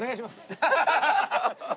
アハハハ！